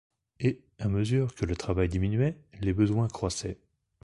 Et, à mesure que le travail diminuait, les besoins croissaient.